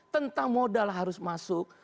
tentang modal harus masuk